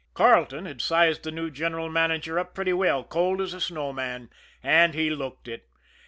Carleton had sized the new general manager up pretty well cold as a snow man and he looked it.